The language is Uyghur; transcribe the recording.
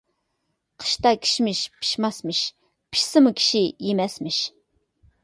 قىشتا كىشمىش پىشماسمىش، پىشسىمۇ كىشى يېمەسمىش.